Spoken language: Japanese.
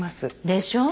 でしょ？